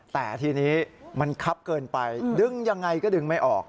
แต่ทีนี้มันคับเกินไปดึงยังไงก็ดึงไม่ออก